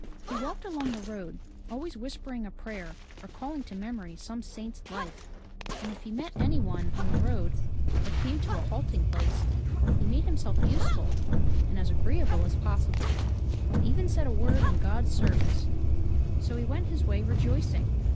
He walked along the road, always whispering a prayer or calling to memory some saint's life. And if he met any one on the road or came to a halting place, he made himself useful and as agreeable as possible, and even said a word in God's service. So he went his way rejoicing.